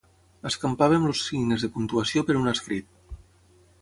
Escampàvem els signes de puntuació per un escrit.